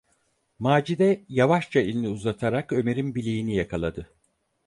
Macide yavaşça elini uzatarak Ömer’in bileğini yakaladı.